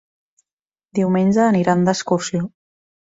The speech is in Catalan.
Diumenge aniran d'excursió.